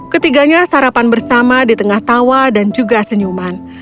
ketiganya sarapan bersama di tengah tawa dan juga senyuman